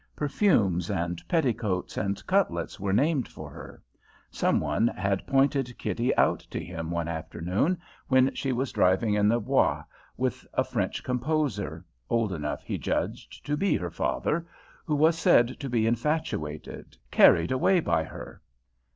Perfumes and petticoats and cutlets were named for her. Some one had pointed Kitty out to him one afternoon when she was driving in the Bois with a French composer old enough, he judged, to be her father who was said to be infatuated, carried away by her.